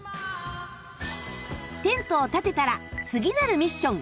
テントを建てたら次なるミッション。